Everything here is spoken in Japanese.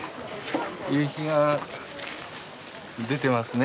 夕日が出てますね。